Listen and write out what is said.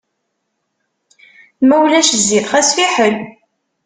Ma ulac zzit xas fiḥel.